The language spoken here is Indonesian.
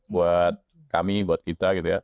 buat kami buat kita gitu ya